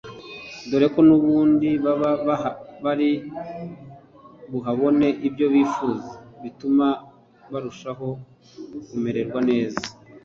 dore ko n’ubundi baba bari buhabone ibyo bifuza bituma barushaho kumererwa neza